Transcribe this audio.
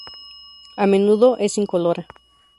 A menudo, es incolora.